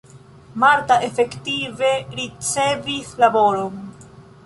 Marta efektive ricevis laboron.